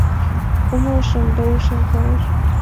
Умылышым да ушем кайыш.